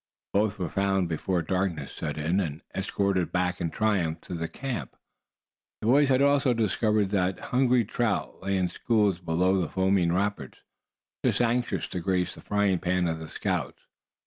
Both were found before darkness set in, and escorted back in triumph to the camp. The boys had also discovered that hungry trout lay in schools below the foaming rapids, just anxious to grace the frying pan of the scouts.